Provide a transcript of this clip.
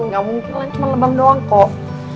gak mungkin lah cuma lebam doang kok